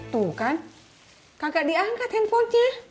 tuh kan kakak diangkat handphonenya